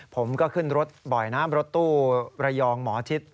ผมก็ขึ้นรถบ่อยน้ำรถตู้ระยองหมอชิด